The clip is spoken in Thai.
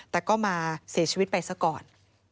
แต่ก็มาเสียชีวิตไปซะก่อน